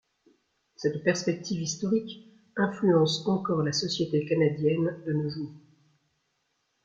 Cette perspective historique influence encore la société canadienne de nos jours.